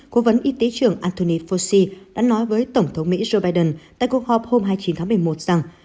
cố vấn y tế trưởng antony fosi đã nói với tổng thống mỹ joe biden tại cuộc họp hôm hai mươi chín tháng một mươi một rằng